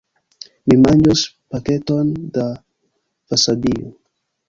Mi manĝos paketon da vasabio.